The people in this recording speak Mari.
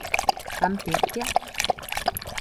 Кампетке.